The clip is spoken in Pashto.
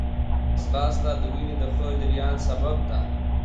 ځغاسته د وینې د ښه جریان سبب ده